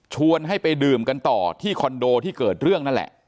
ให้ไปดื่มกันต่อที่คอนโดที่เกิดเรื่องนั่นแหละ